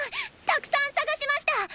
たくさん捜しましたっ！